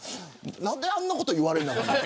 何で、あんなこと言われるんですかね。